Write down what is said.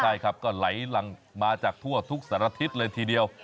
ใช่ครับก็ไหลหลังมาจากทั่วทุกสารทิศเลยทีเดียว